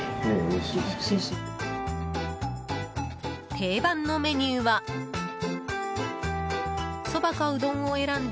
定番のメニューはそばかうどんを選んで